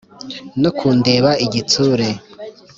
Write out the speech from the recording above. no kundeba igitsure